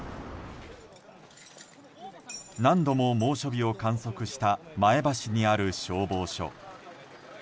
何度も猛暑日を観測した前橋にある消防署。